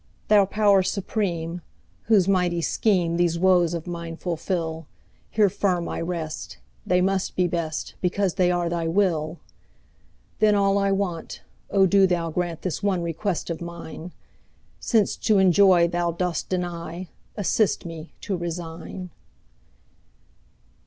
Thou Power Supreme, whose mighty schemeThese woes of mine fulfil, Here firm I rest; they must be best, Because they are Thy will! Then all I want—O do Thou grantThis one request of mine!—Since to enjoy Thou dost deny, Assist me to resign.